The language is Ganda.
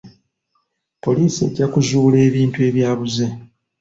Poliisi ejja kuzuula ebintu ebyabuze.